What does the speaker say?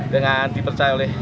dengan dipercaya oleh